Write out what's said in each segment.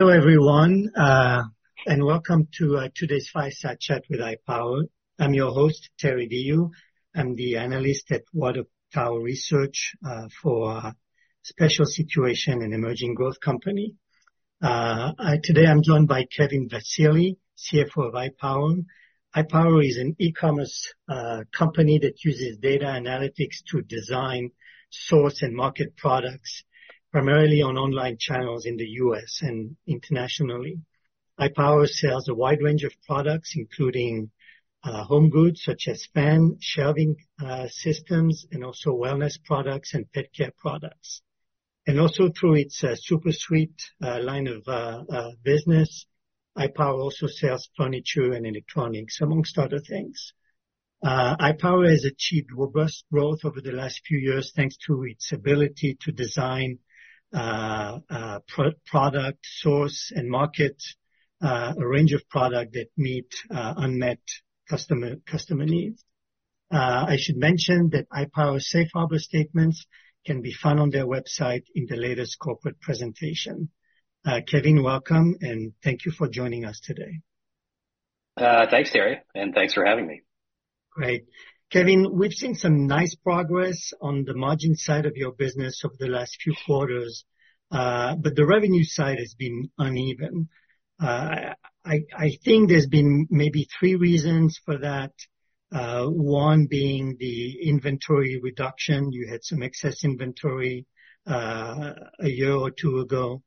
Hello everyone, and welcome to today's Fireside Chat with iPower. I'm your host, Terry Diehl. I'm the Analyst at Water Tower Research, for special situations and emerging growth companies. Today I'm joined by Kevin Vassily, CFO of iPower. iPower is an e-commerce company that uses data analytics to design, source, and market products primarily on online channels in the U.S. and internationally. iPower sells a wide range of products, including home goods such as fans, shelving systems, and also wellness products and pet care products. And also through its SuperSuite line of business, iPower also sells furniture and electronics, among other things. iPower has achieved robust growth over the last few years thanks to its ability to design, proprietary product, source, and market a range of products that meet unmet customer needs. I should mention that iPower Safe Harbor statements can be found on their website in the latest corporate presentation. Kevin, welcome, and thank you for joining us today. Thanks, Terry, and thanks for having me. Great. Kevin, we've seen some nice progress on the margin side of your business over the last few quarters, but the revenue side has been uneven. I think there's been maybe three reasons for that. One being the inventory reduction. You had some excess inventory, a year or two ago.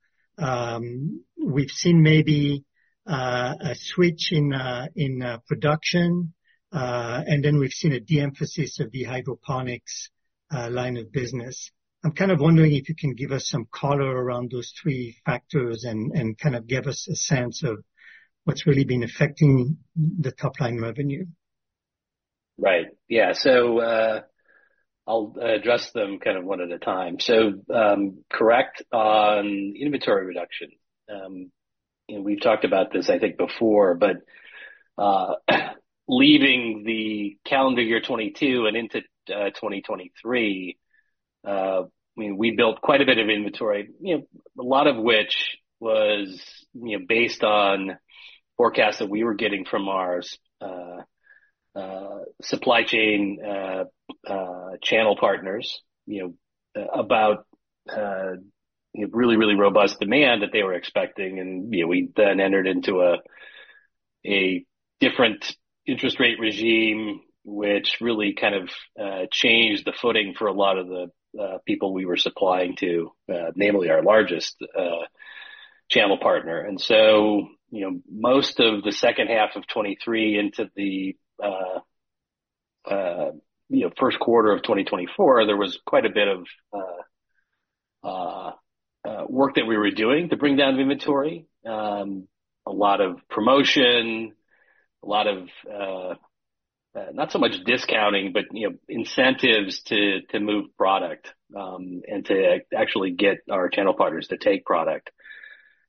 We've seen maybe a switch in production, and then we've seen a de-emphasis of the Hydroponics Line of Business. I'm kind of wondering if you can give us some color around those three factors and kind of give us a sense of what's really been affecting the top line revenue. Right. Yeah. So, I'll address them kind of one at a time. So, correct on inventory reduction. You know, we've talked about this, I think, before, but leaving the calendar year 2022 and into 2023, I mean, we built quite a bit of inventory, you know, a lot of which was, you know, based on forecasts that we were getting from our supply chain channel partners, you know, about, you know, really, really robust demand that they were expecting. And, you know, we then entered into a different interest rate regime, which really kind of changed the footing for a lot of the people we were supplying to, namely our largest channel partner. And so, you know, most of the second half of 2023 into the, you know, first quarter of 2024, there was quite a bit of work that we were doing to bring down inventory. A lot of promotion, a lot of not so much discounting, but you know, incentives to move product, and to actually get our channel partners to take product.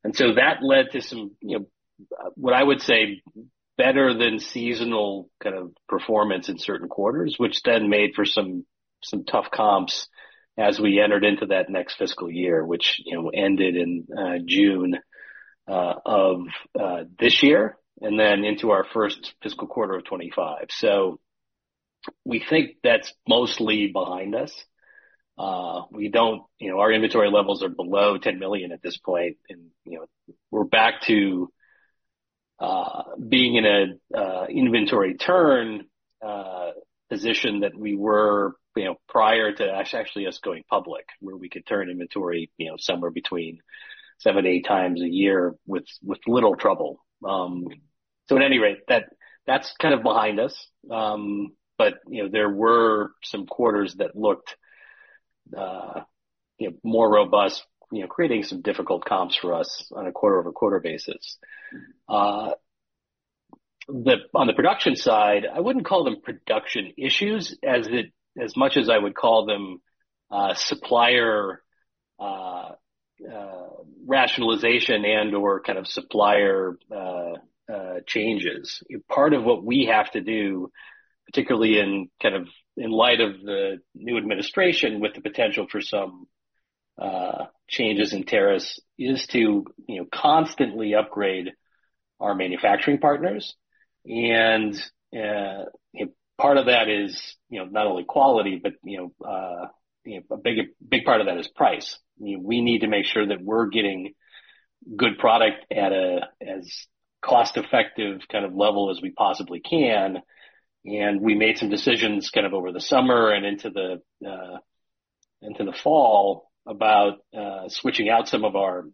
And so that led to some you know, what I would say better than seasonal kind of performance in certain quarters, which then made for some tough comps as we entered into that next fiscal year, which you know, ended in June of this year and then into our first fiscal quarter of 2025. So we think that's mostly behind us. We don't you know, our inventory levels are below $10 million at this point, and you know, we're back to being in a inventory turn position that we were you know, prior to actually us going public, where we could turn inventory you know, somewhere between seven to eight times a year with little trouble. So at any rate, that, that's kind of behind us. But, you know, there were some quarters that looked, you know, more robust, you know, creating some difficult comps for us on a quarter-over-quarter basis. The on the production side, I wouldn't call them production issues as much as I would call them supplier rationalization and/or kind of supplier changes. Part of what we have to do, particularly in kind of in light of the new administration with the potential for some changes in tariffs, is to, you know, constantly upgrade our manufacturing partners. And, you know, part of that is, you know, not only quality, but, you know, you know, a big, big part of that is price. You know, we need to make sure that we're getting good product at a as cost-effective kind of level as we possibly can. And we made some decisions kind of over the summer and into the fall about switching out some of our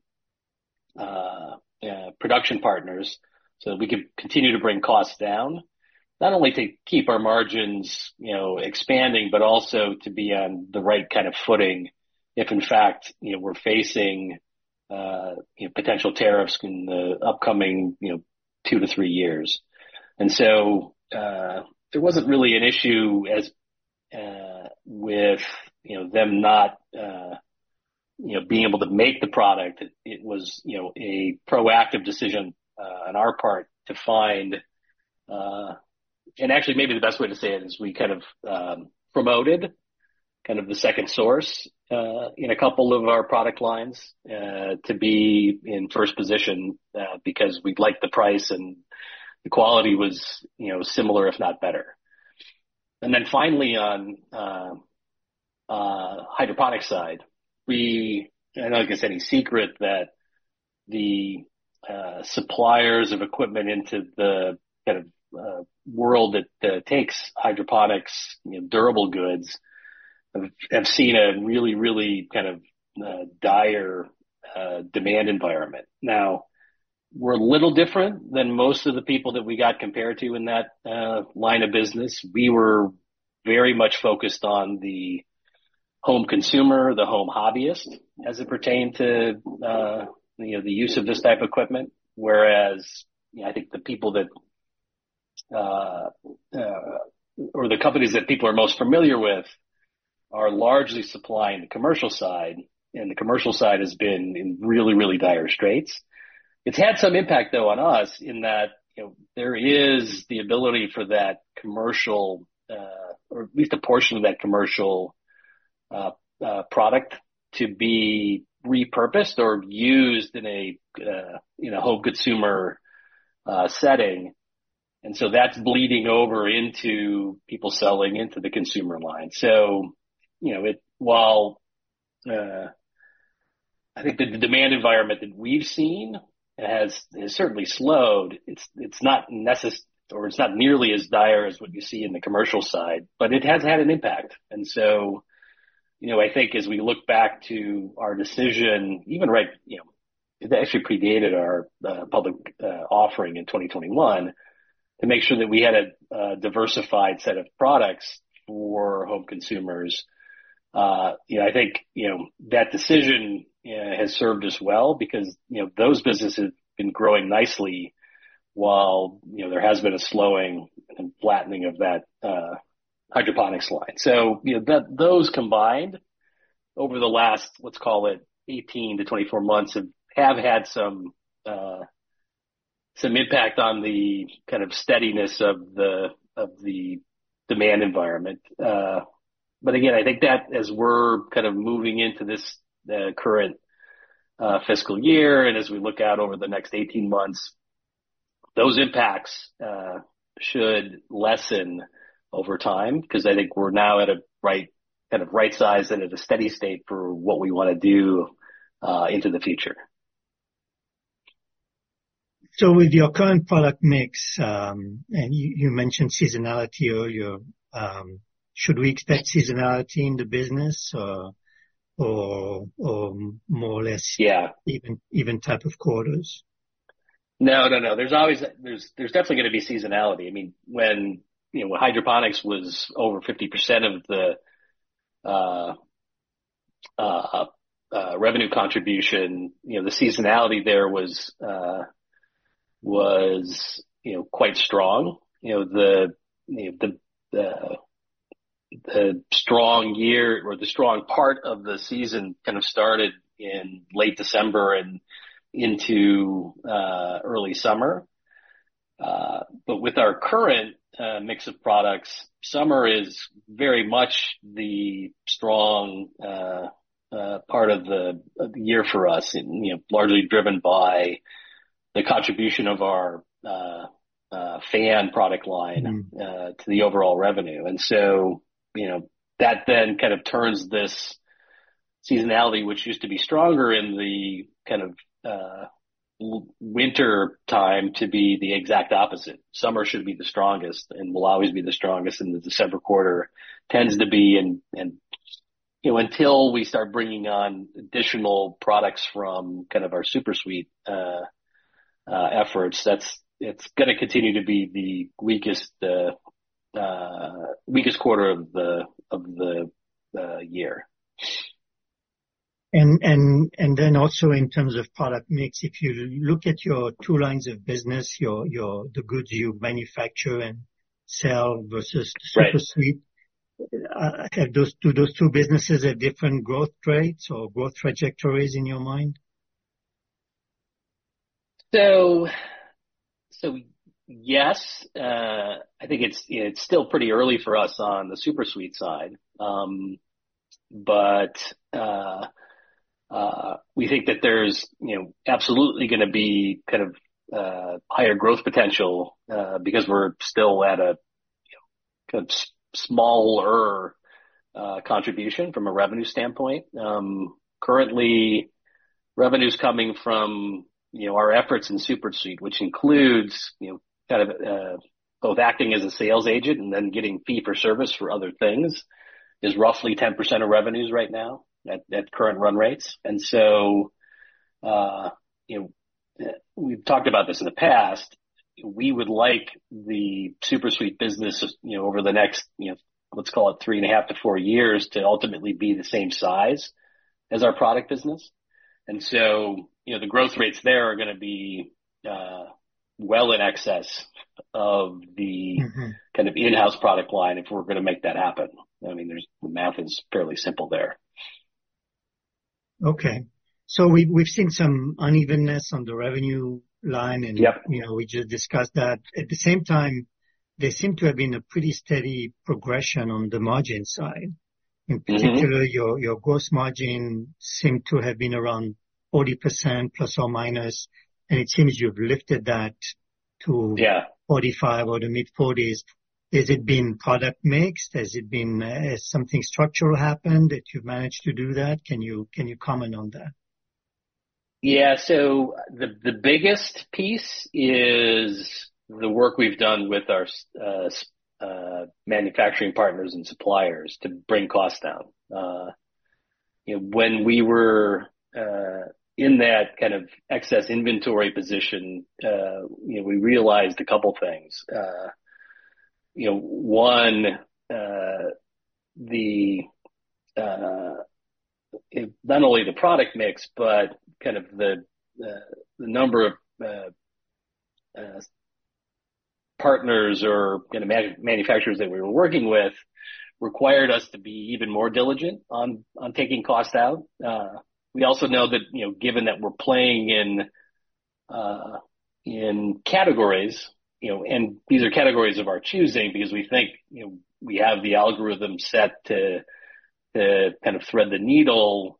production partners so that we could continue to bring costs down, not only to keep our margins, you know, expanding, but also to be on the right kind of footing if, in fact, you know, we're facing, you know, potential tariffs in the upcoming, you know, two to three years. And so, there wasn't really an issue as with, you know, them not, you know, being able to make the product. It was, you know, a proactive decision on our part to find, and actually maybe the best way to say it is we kind of promoted kind of the second source in a couple of our product lines to be in first position, because we'd like the price and the quality was, you know, similar, if not better. And then finally on hydroponics side, we I don't think it's any secret that the suppliers of equipment into the kind of world that takes hydroponics, you know, durable goods, have seen a really, really kind of dire demand environment. Now, we're a little different than most of the people that we got compared to in that line of business. We were very much focused on the home consumer, the home hobbyist as it pertained to, you know, the use of this type of equipment, whereas, you know, I think the people that, or the companies that people are most familiar with are largely supplying the commercial side, and the commercial side has been in really, really dire straits. It's had some impact, though, on us in that, you know, there is the ability for that commercial, or at least a portion of that commercial, product to be repurposed or used in a, you know, home consumer, setting, and so that's bleeding over into people selling into the consumer line. You know, while I think that the demand environment that we've seen has certainly slowed, it's not nearly as dire as what you see in the commercial side, but it has had an impact. I think as we look back to our decision, even right, you know, it actually predated our public offering in 2021 to make sure that we had a diversified set of products for home consumers. You know, I think, you know, that decision has served us well because, you know, those businesses have been growing nicely while, you know, there has been a slowing and flattening of that hydroponics line. You know, those combined over the last, let's call it 18-24 months have had some impact on the kind of steadiness of the demand environment. But again, I think that as we're kind of moving into this current fiscal year and as we look out over the next 18 months, those impacts should lessen over time because I think we're now at a right kind of right size and at a steady state for what we want to do into the future. With your current product mix, and you mentioned seasonality earlier, should we expect seasonality in the business or more or less? Yeah. Even type of quarters? No, no, no. There's always definitely going to be seasonality. I mean, when you know, hydroponics was over 50% of the revenue contribution, you know, the seasonality there was you know, quite strong. You know, the strong year or the strong part of the season kind of started in late December and into early summer, but with our current mix of products, summer is very much the strong part of the year for us and you know, largely driven by the contribution of our fan product line to the overall revenue. So you know, that then kind of turns this seasonality, which used to be stronger in the kind of winter time, to be the exact opposite. Summer should be the strongest and will always be the strongest in the December quarter, tends to be, and you know, until we start bringing on additional products from kind of our SuperSuite efforts, it's going to continue to be the weakest quarter of the year. In terms of product mix, if you look at your two lines of business, the goods you manufacture and sell versus SuperSuite, have those two businesses have different growth traits or growth trajectories in your mind? Yes, I think it's, you know, it's still pretty early for us on the SuperSuite side, but we think that there's, you know, absolutely going to be kind of higher growth potential, because we're still at a, you know, kind of smaller contribution from a revenue standpoint. Currently, revenue's coming from, you know, our efforts in SuperSuite, which includes, you know, kind of both acting as a sales agent and then getting fee for service for other things, is roughly 10% of revenues right now at current run rates, so you know, we've talked about this in the past. We would like the SuperSuite business, you know, over the next, you know, let's call it three and a half to four years to ultimately be the same size as our product business. And so, you know, the growth rates there are going to be well in excess of the kind of in-house product line if we're going to make that happen. I mean, there's the math is fairly simple there. Okay, so we've seen some unevenness on the revenue line and. Yep. You know, we just discussed that. At the same time, there seemed to have been a pretty steady progression on the margin side. In particular, your, your gross margin seemed to have been around 40% plus or minus, and it seems you've lifted that to. Yeah. 45 or the mid-forties. Has it been product mix? Has it been something structural that happened that you've managed to do that? Can you comment on that? Yeah. So the biggest piece is the work we've done with our manufacturing partners and suppliers to bring costs down. You know, when we were in that kind of excess inventory position, you know, we realized a couple things. You know, one, not only the product mix, but kind of the number of partners or, you know, manufacturers that we were working with required us to be even more diligent on taking costs out. We also know that, you know, given that we're playing in categories, you know, and these are categories of our choosing because we think, you know, we have the algorithm set to kind of thread the needle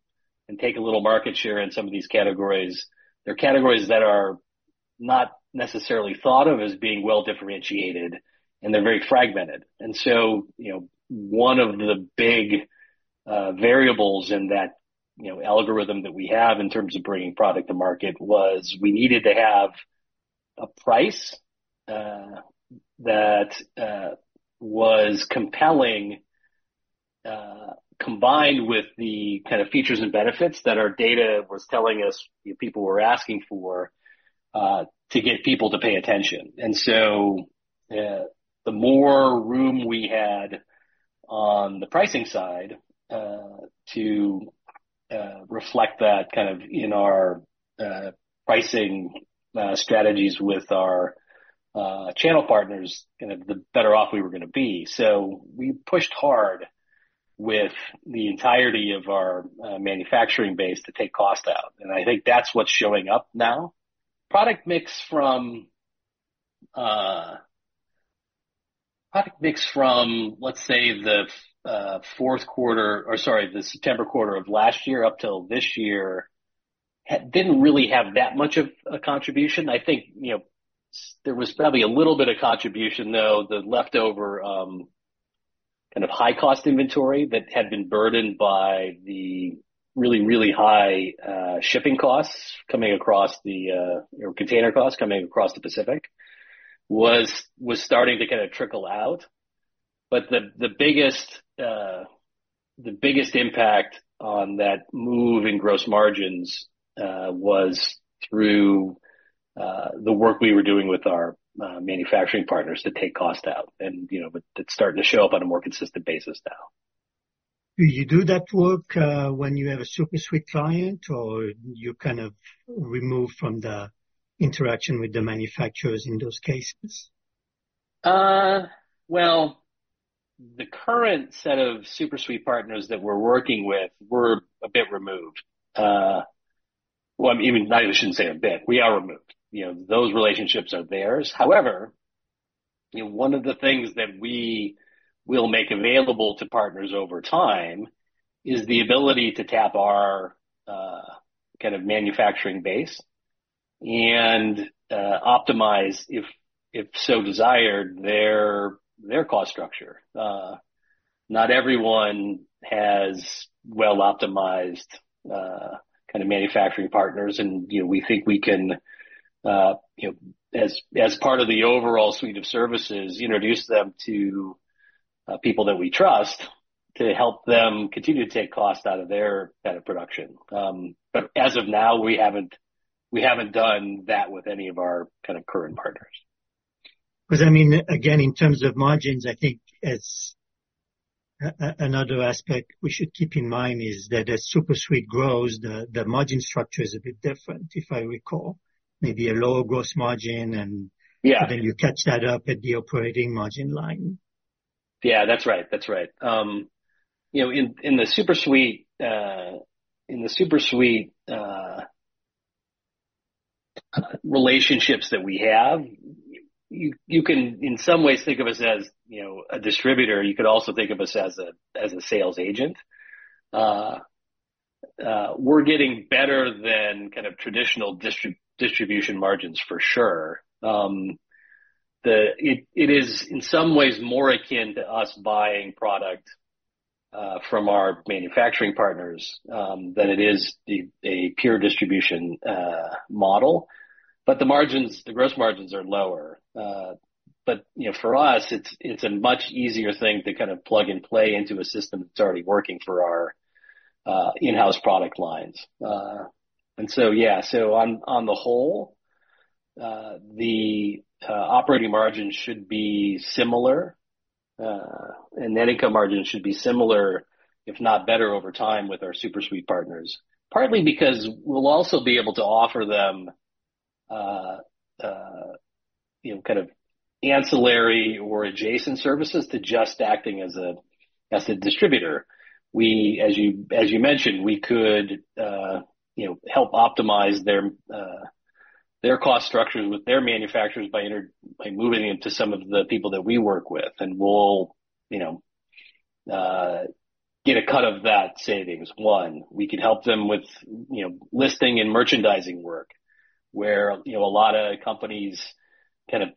and take a little market share in some of these categories. They're categories that are not necessarily thought of as being well differentiated, and they're very fragmented. And so, you know, one of the big variables in that, you know, algorithm that we have in terms of bringing product to market was we needed to have a price that was compelling, combined with the kind of features and benefits that our data was telling us, you know, people were asking for, to get people to pay attention. And so, the more room we had on the pricing side to reflect that kind of in our pricing strategies with our channel partners, kind of the better off we were going to be. So we pushed hard with the entirety of our manufacturing base to take cost out. And I think that's what's showing up now. Product mix from, let's say, the fourth quarter or sorry, the September quarter of last year up till this year hadn't really had that much of a contribution. I think, you know, there was probably a little bit of contribution, though, the leftover, kind of high cost inventory that had been burdened by the really, really high, shipping costs coming across the, you know, container costs coming across the Pacific was, was starting to kind of trickle out. But the, the biggest, the biggest impact on that move in gross margins, was through, the work we were doing with our, manufacturing partners to take cost out and, you know, but it's starting to show up on a more consistent basis now. Do you do that work, when you have a SuperSuite client or you kind of remove from the interaction with the manufacturers in those cases? The current set of SuperSuite partners that we're working with were a bit removed. I mean, I shouldn't say a bit. We are removed. You know, those relationships are theirs. However, you know, one of the things that we will make available to partners over time is the ability to tap our kind of manufacturing base and optimize, if so desired, their cost structure. Not everyone has well optimized kind of manufacturing partners. You know, we think we can, you know, as part of the overall suite of services, introduce them to people that we trust to help them continue to take cost out of their kind of production, but as of now, we haven't done that with any of our kind of current partners. Because, I mean, again, in terms of margins, I think it's another aspect we should keep in mind is that as SuperSuite grows, the margin structure is a bit different, if I recall, maybe a lower gross margin and. Yeah. Then you catch that up at the operating margin line. Yeah, that's right. That's right. You know, in the SuperSuite relationships that we have, you can in some ways think of us as, you know, a distributor. You could also think of us as a sales agent. We're getting better than kind of traditional distribution margins for sure. It is in some ways more akin to us buying product from our manufacturing partners than it is a pure distribution model. But the margins, the gross margins are lower. But you know, for us, it's a much easier thing to kind of plug and play into a system that's already working for our in-house product lines. And so, yeah, on the whole, the operating margin should be similar, and net income margin should be similar, if not better over time with our SuperSuite partners, partly because we'll also be able to offer them, you know, kind of ancillary or adjacent services to just acting as a distributor. We, as you mentioned, we could, you know, help optimize their cost structures with their manufacturers by moving them to some of the people that we work with. And we'll, you know, get a cut of that savings. One, we can help them with, you know, listing and merchandising work where, you know, a lot of companies kind of,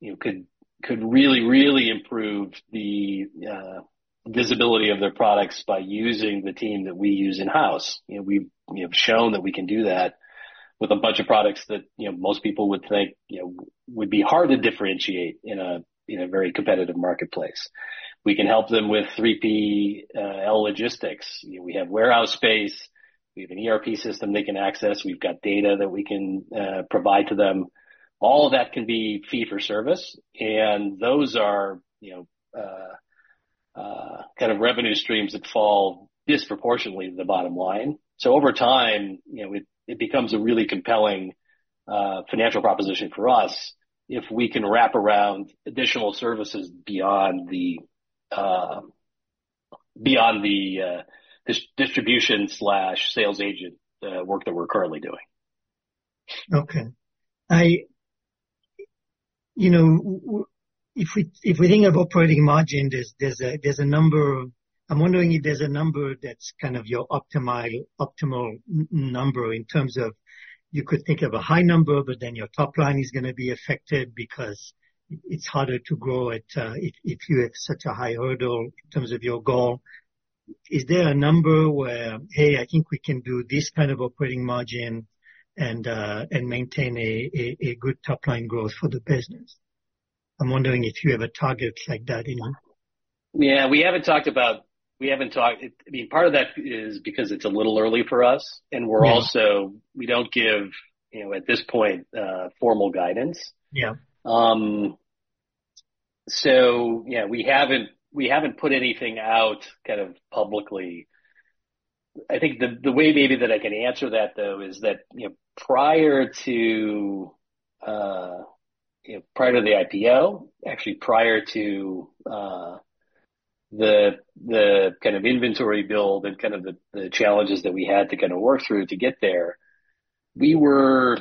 you know, could really improve the visibility of their products by using the team that we use in-house. You know, we've, we have shown that we can do that with a bunch of products that, you know, most people would think, you know, would be hard to differentiate in a very competitive marketplace. We can help them with 3PL logistics. You know, we have warehouse space. We have an ERP system they can access. We've got data that we can provide to them. All of that can be fee for service. And those are, you know, kind of revenue streams that fall disproportionately to the bottom line. So over time, you know, it becomes a really compelling financial proposition for us if we can wrap around additional services beyond the distribution slash sales agent work that we're currently doing. Okay. You know, if we think of operating margin, I'm wondering if there's a number that's kind of your optimal number in terms of you could think of a high number, but then your top line is going to be affected because it's harder to grow it, if you have such a high hurdle in terms of your goal. Is there a number where, hey, I think we can do this kind of operating margin and maintain a good top line growth for the business? I'm wondering if you have a target like that in mind. Yeah. We haven't talked about, I mean, part of that is because it's a little early for us. And we're also, we don't give, you know, at this point, formal guidance. Yeah. So yeah, we haven't put anything out kind of publicly. I think the way maybe that I can answer that though is that, you know, prior to the IPO, actually prior to the kind of inventory build and kind of the challenges that we had to kind of work through to get there, we were,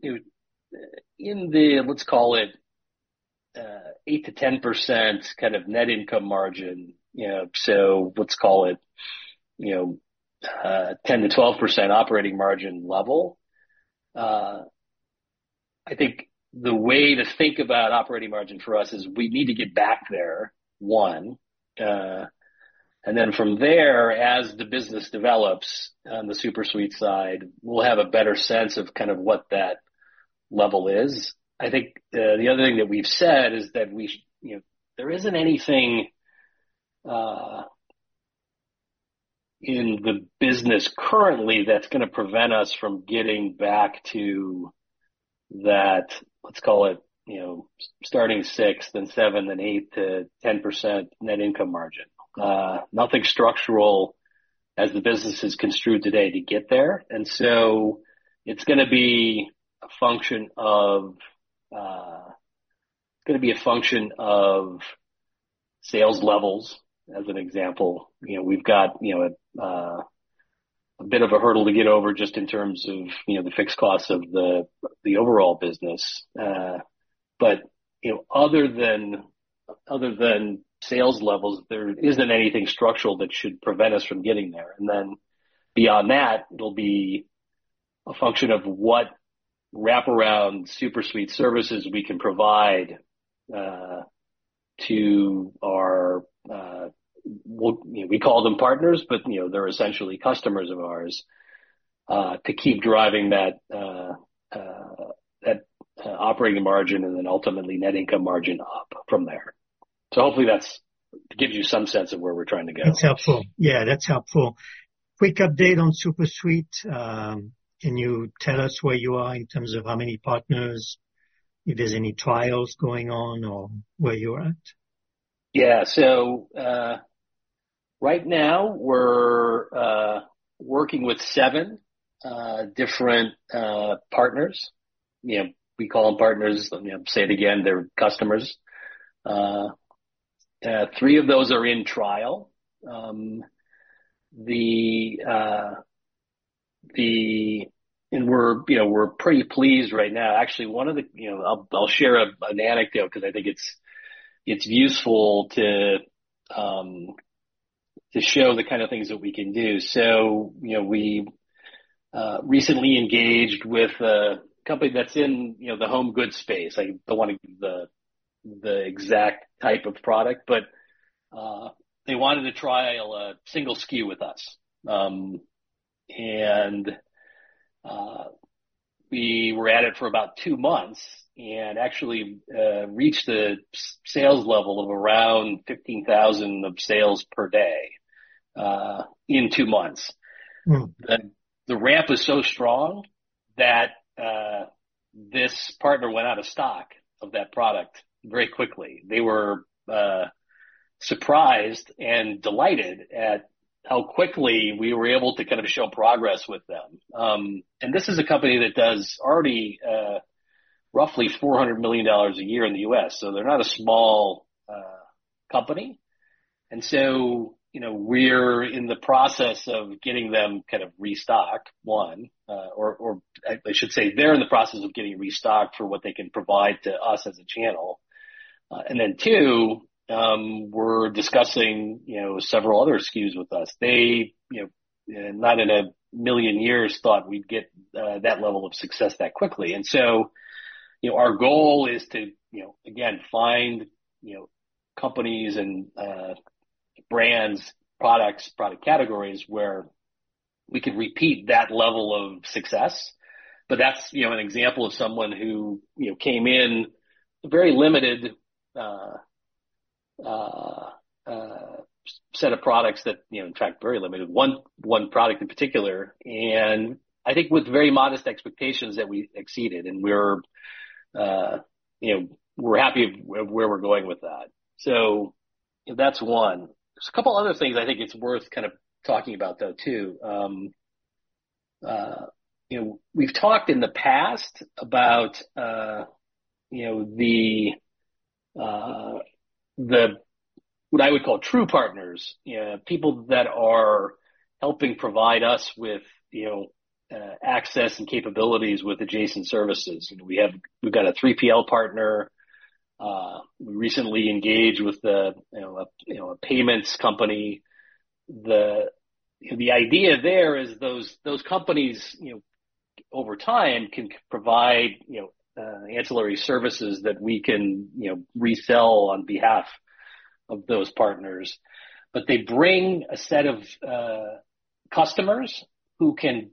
you know, in the, let's call it, 8%-10% kind of net income margin, you know, so let's call it, you know, 10%-12% operating margin level. I think the way to think about operating margin for us is we need to get back there, one. And then from there, as the business develops on the SuperSuite side, we'll have a better sense of kind of what that level is. I think the other thing that we've said is that we, you know, there isn't anything in the business currently that's going to prevent us from getting back to that, let's call it, you know, starting sixth and seventh and eighth to 10% net income margin. Nothing structural as the business is construed today to get there, so it's going to be a function of, it's going to be a function of sales levels as an example. You know, we've got, you know, a bit of a hurdle to get over just in terms of, you know, the fixed costs of the overall business, but you know, other than sales levels, there isn't anything structural that should prevent us from getting there. And then beyond that, it'll be a function of what wraparound SuperSuite services we can provide to our, well, you know, we call them partners, but, you know, they're essentially customers of ours, to keep driving that operating margin and then ultimately net income margin up from there. So hopefully that gives you some sense of where we're trying to go. That's helpful. Yeah. That's helpful. Quick update on SuperSuite. Can you tell us where you are in terms of how many partners, if there's any trials going on or where you're at? Yeah. So, right now we're working with seven different partners. You know, we call them partners. Let me say it again. They're customers. Three of those are in trial, and we're pretty pleased right now. Actually, one of the, you know, I'll share an anecdote because I think it's useful to show the kind of things that we can do. So, you know, we recently engaged with a company that's in the home goods space. I don't want to give the exact type of product, but they wanted to trial a single SKU with us, and we were at it for about two months and actually reached the sales level of around $15,000 of sales per day in two months. The ramp was so strong that this partner went out of stock of that product very quickly. They were surprised and delighted at how quickly we were able to kind of show progress with them. And this is a company that does already roughly $400 million a year in the U.S. So they're not a small company. And so, you know, we're in the process of getting them kind of restocked, one, or, or I should say they're in the process of getting restocked for what they can provide to us as a channel. And then two, we're discussing, you know, several other SKUs with us. They, you know, not in a million years thought we'd get that level of success that quickly. And so, you know, our goal is to, you know, again, find, you know, companies and brands, products, product categories where we could repeat that level of success. But that's, you know, an example of someone who, you know, came in a very limited set of products that, you know, in fact, very limited one, one product in particular, and I think with very modest expectations that we exceeded, and we're, you know, we're happy of, of where we're going with that, so, you know, that's one. There's a couple other things I think it's worth kind of talking about though too. You know, we've talked in the past about, you know, the, the what I would call true partners, you know, people that are helping provide us with, you know, access and capabilities with adjacent services. You know, we have, we've got a 3PL partner. We recently engaged with the, you know, a, you know, a payments company. You know, the idea there is those companies, you know, over time can provide, you know, ancillary services that we can, you know, resell on behalf of those partners. They bring a set of customers who can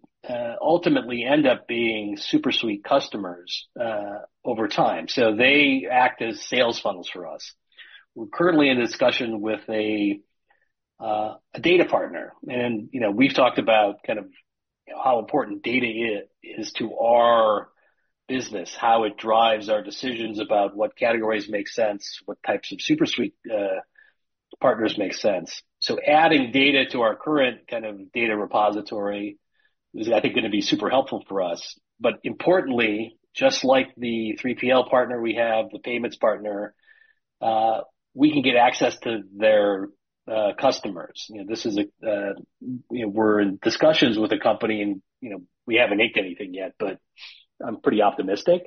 ultimately end up being SuperSuite customers over time. They act as sales funnels for us. We're currently in discussion with a data partner. You know, we've talked about kind of how important data is to our business, how it drives our decisions about what categories make sense, what types of SuperSuite partners make sense. Adding data to our current kind of data repository is, I think, going to be super helpful for us. Importantly, just like the 3PL partner we have, the payments partner, we can get access to their customers. You know, this is a, you know, we're in discussions with a company and, you know, we haven't inked anything yet, but I'm pretty optimistic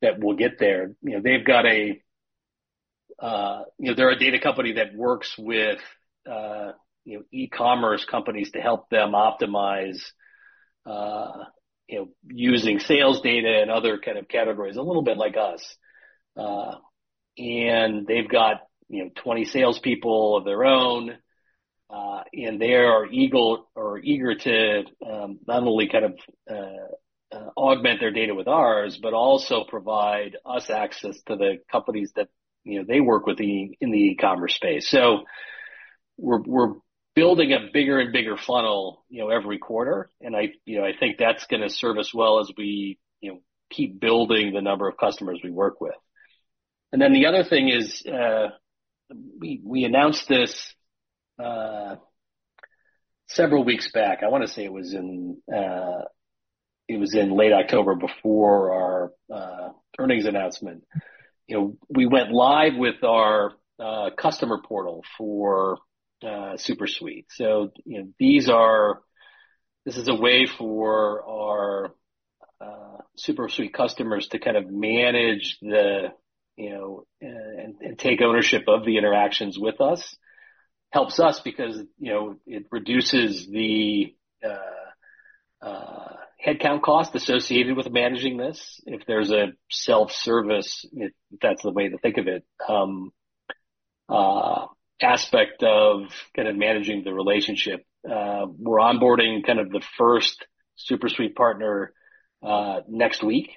that we'll get there. You know, they've got a, you know, they're a data company that works with, you know, e-commerce companies to help them optimize, you know, using sales data and other kind of categories a little bit like us. And they've got, you know, 20 salespeople of their own, and they are eager to, not only kind of, augment their data with ours, but also provide us access to the companies that, you know, they work with in the e-commerce space. So we're building a bigger and bigger funnel, you know, every quarter. And I, you know, I think that's going to serve us well as we, you know, keep building the number of customers we work with. And then the other thing is, we announced this several weeks back. I want to say it was in late October before our earnings announcement. You know, we went live with our customer portal for SuperSuite. So, you know, this is a way for our SuperSuite customers to kind of manage the, you know, and take ownership of the interactions with us. It helps us because, you know, it reduces the headcount cost associated with managing this. If there's a self-service, if that's the way to think of it, aspect of kind of managing the relationship. We're onboarding kind of the first SuperSuite partner next week.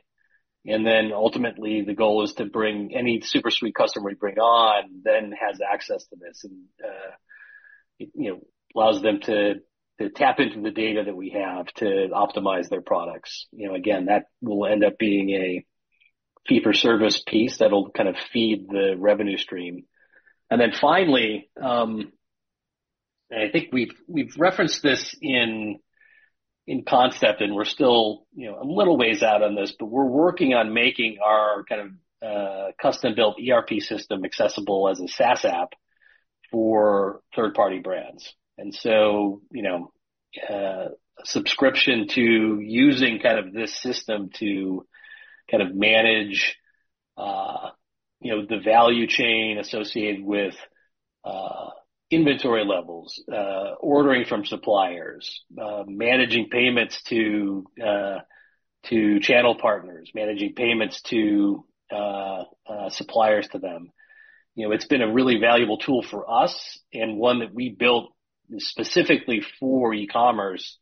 And then ultimately the goal is to bring any SuperSuite customer we bring on then has access to this and, you know, allows them to tap into the data that we have to optimize their products. You know, again, that will end up being a fee for service piece that'll kind of feed the revenue stream. And then finally, and I think we've referenced this in concept and we're still, you know, a little ways out on this, but we're working on making our kind of custom-built ERP system accessible as a SaaS app for third-party brands. And so, you know, a subscription to using kind of this system to kind of manage, you know, the value chain associated with inventory levels, ordering from suppliers, managing payments to channel partners, managing payments to suppliers to them. You know, it's been a really valuable tool for us and one that we built specifically for e-commerce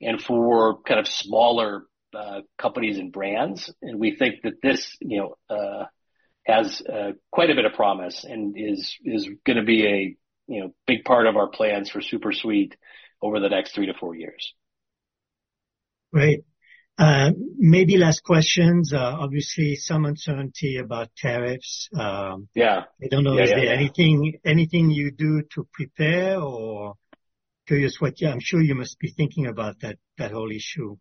and for kind of smaller companies and brands, and we think that this, you know, has quite a bit of promise and is going to be a, you know, big part of our plans for SuperSuite over the next three to four years. Great. Maybe last questions. Obviously some uncertainty about tariffs. Yeah. I don't know. Is there anything, anything you do to prepare, or curious what you're? I'm sure you must be thinking about that, that whole issue.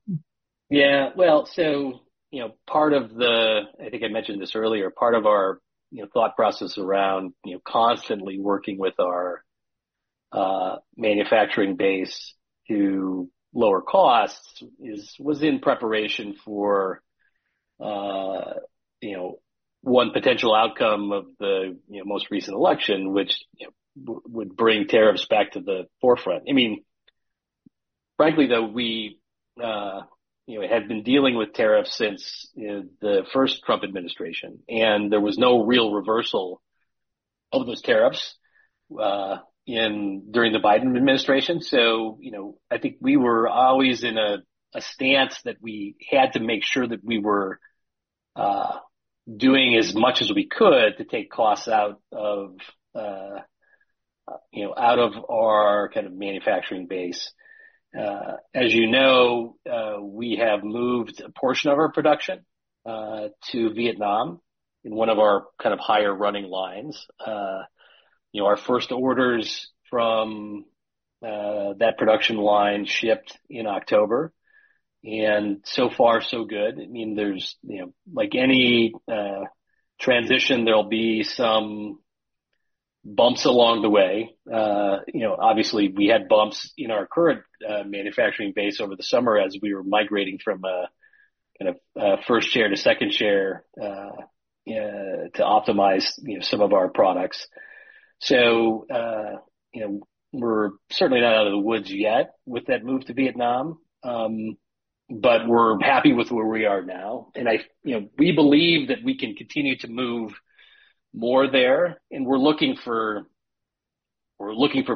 Yeah. Well, so, you know, part of the, I think I mentioned this earlier, part of our, you know, thought process around, you know, constantly working with our manufacturing base to lower costs is, was in preparation for, you know, one potential outcome of the, you know, most recent election, which, you know, would bring tariffs back to the forefront. I mean, frankly though, we, you know, had been dealing with tariffs since, you know, the first Trump administration and there was no real reversal of those tariffs during the Biden administration. So, you know, I think we were always in a stance that we had to make sure that we were doing as much as we could to take costs out of, you know, out of our kind of manufacturing base. As you know, we have moved a portion of our production to Vietnam in one of our kind of higher running lines. You know, our first orders from that production line shipped in October. And so far, so good. I mean, there's you know, like any transition, there'll be some bumps along the way. You know, obviously we had bumps in our current manufacturing base over the summer as we were migrating from a kind of first shift to second shift to optimize you know, some of our products. So, you know, we're certainly not out of the woods yet with that move to Vietnam. But we're happy with where we are now. And I you know, we believe that we can continue to move more there and we're looking for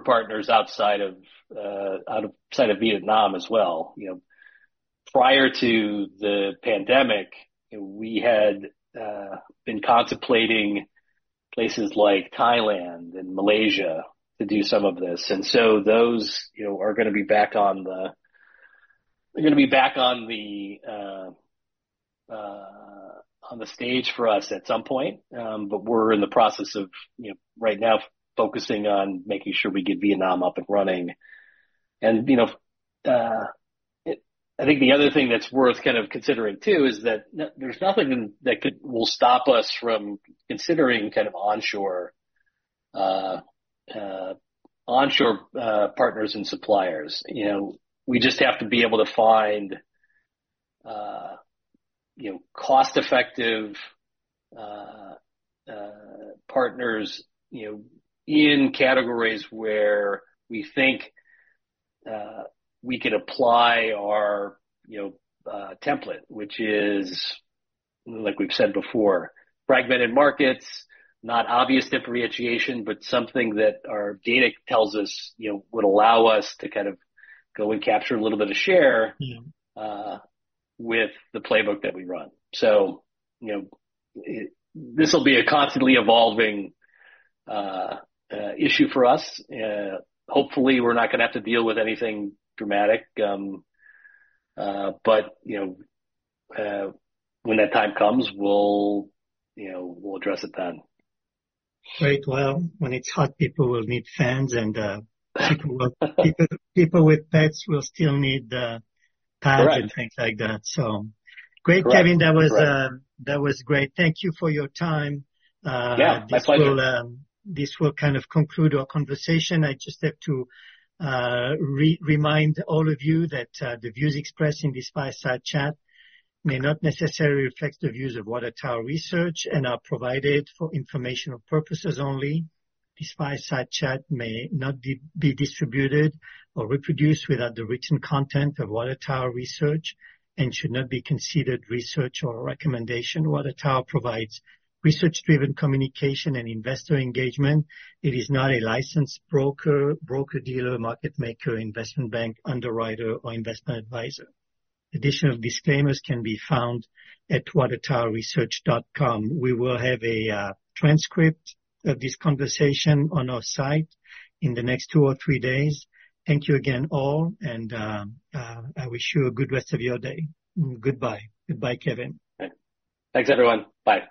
partners outside of Vietnam as well. You know, prior to the pandemic, you know, we had been contemplating places like Thailand and Malaysia to do some of this, and so those, you know, are going to be back on the, they're going to be back on the, on the stage for us at some point, but we're in the process of, you know, right now focusing on making sure we get Vietnam up and running, and you know, I think the other thing that's worth kind of considering too is that there's nothing that could, will stop us from considering kind of onshore, onshore, partners and suppliers. You know, we just have to be able to find, you know, cost-effective partners, you know, in categories where we think we can apply our, you know, template, which is, like we've said before, fragmented markets, not obvious differentiation, but something that our data tells us, you know, would allow us to kind of go and capture a little bit of share. Yeah. With the playbook that we run. So, you know, this will be a constantly evolving issue for us. Hopefully we're not going to have to deal with anything dramatic. But, you know, when that time comes, we'll, you know, we'll address it then. Great. Well, when it's hot, people will need fans and people with pets will still need pads and things like that. So, great, Kevin. That was great. Thank you for your time. Yeah, my pleasure. This will kind of conclude our conversation. I just have to remind all of you that the views expressed in this Fireside Chat may not necessarily reflect the views of Water Tower Research and are provided for informational purposes only. This fireside chat may not be distributed or reproduced without the written consent of Water Tower Research and should not be considered research or recommendation. Water Tower provides research-driven communication and investor engagement. It is not a licensed broker, broker dealer, market maker, investment bank, underwriter, or investment advisor. Additional disclaimers can be found at watertowerresearch.com. We will have a transcript of this conversation on our site in the next two or three days. Thank you again, all. I wish you a good rest of your day. Goodbye. Goodbye, Kevin. Thanks, everyone. Bye.